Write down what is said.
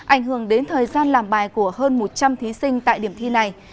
ảnh hưởng đến thời gian làm bài của hơn một trăm linh thí sinh tại điểm thi này